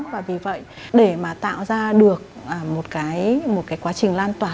và vì vấn đề ca trù là một trong những loại hình rất là kinh điển của việt nam rất là khó